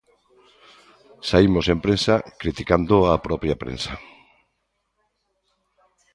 Saímos en prensa criticando a propia prensa.